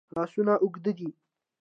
لاسونه اوږد دي.